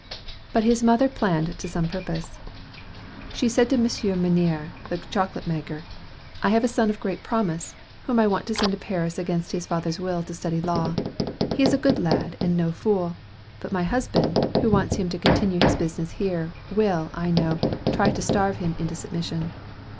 But his mother planned to some purpose. She said to M. Menier, the chocolate maker, "I have a son of great promise, whom I want to send to Paris against his father's will to study law. He is a good lad, and no fool. But my husband, who wants him to continue his business here, will, I know, try to starve him into submission.